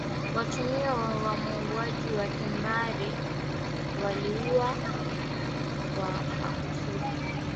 watuhumiwa wa mauaji ya kimbari waliua kwa makusudi